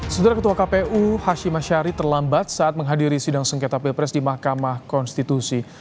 setelah ketua kpu hashim ashari terlambat saat menghadiri sidang sengketa pilpres di mahkamah konstitusi